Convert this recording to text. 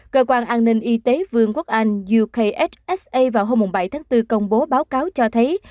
cơ quan an ninh y tế vương quốc anh upsa vào hôm bảy tháng bốn công bố báo cáo cho thấy